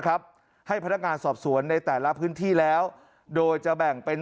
ครับให้พนักงานสอบสวนในแต่ละพื้นที่แล้วโดยจะแบ่งเป็น